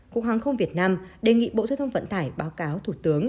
cục hàng không việt nam đề nghị bộ giao thông vận tải báo cáo thủ tướng